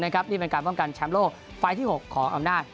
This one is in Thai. นี่เป็นการป้องกันแชมป์โลกไฟล์ที่๖ของอำนาจ